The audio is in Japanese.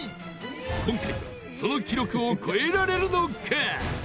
今回は、その記録を超えられるのか？